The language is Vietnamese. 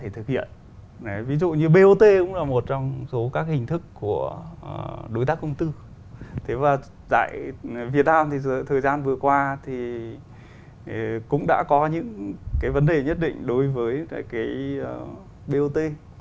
thế việt nam thì thời gian vừa qua thì cũng đã có những cái vấn đề nhất định đối với cái bot